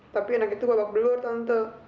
tapi anak itu babak belur tante